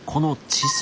地層？